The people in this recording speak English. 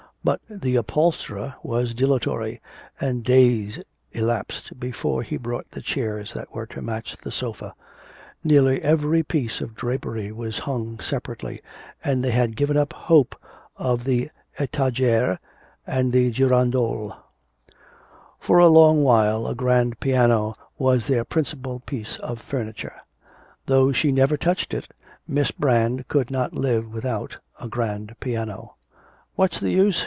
But the upholsterer was dilatory, and days elapsed before he brought the chairs that were to match the sofa; nearly every piece of drapery was hung separately, and they had given up hope of the etageres and girondoles. For a long while a grand piano was their principal piece of furniture. Though she never touched it, Miss Brand could not live without, a grand piano. 'What's the use?'